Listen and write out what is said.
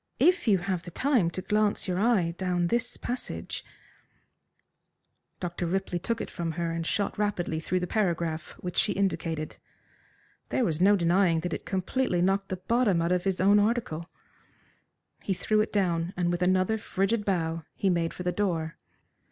"If you have time to glance your eye down this passage " Dr. Ripley took it from her and shot rapidly through the paragraph which she indicated. There was no denying that it completely knocked the bottom out of his own article. He threw it down, and with another frigid bow he made for the door.